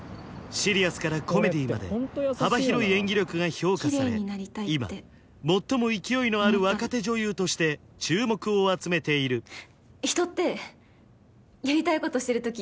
シリアスからコメディーまで幅広い演技力が評価され今最も勢いのある若手女優として注目を集めている人ってやりたいことしてる時